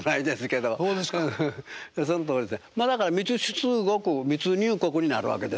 まあだから密出国密入国になるわけですよね。